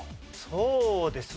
そうです。